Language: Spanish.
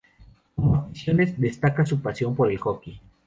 Como aficiones, destaca su pasión por el hockey.